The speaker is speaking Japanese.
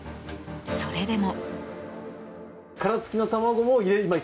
それでも。